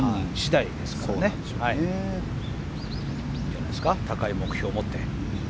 いいんじゃないですか高い目標を持って。